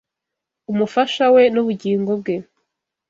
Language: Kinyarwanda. umufasha we, n’ubugingo bwe